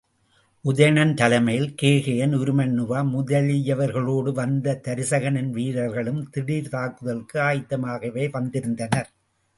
உதயணன் தலைமையில் கேகயன், உருமண்ணுவா முதலியவர்களோடு வந்த தருசகனின் வீரர்களும் தீடீர்த் தாக்குதலுக்கு ஆயத்தமாகவே வந்திருந்தனர்.